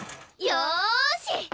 よし！